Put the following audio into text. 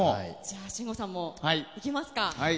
信五さんもいきますか。